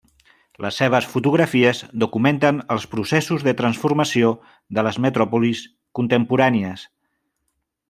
Les seves fotografies documenten els processos de transformació de les metròpolis contemporànies.